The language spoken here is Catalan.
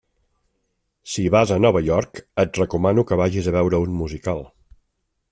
Si vas a Nova York et recomano que vagis a veure un musical.